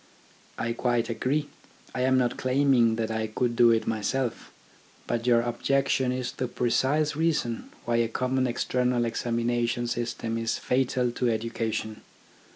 I quite agree. I am not claiming that I could do it myself. But your objection is the precise reason why a common external examination system is fatal to education.